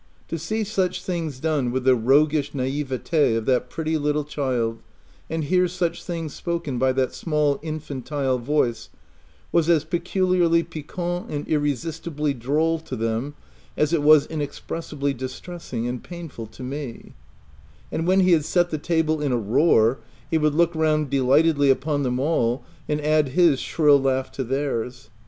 To see such things done with the roguish naivete of that pretty little child and hear such things spoken by that small infantile voice, was as peculiarly piquant and irresistibly droll to them as it was inexpressibly distressing and painful to me ; and when he had set the table in a roar, he would look round delightedly upon them all, and add his shrill laugh to theirs.